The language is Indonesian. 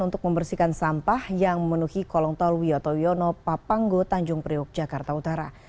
untuk membersihkan sampah yang memenuhi kolong tol wiyoto wiono papanggo tanjung priuk jakarta utara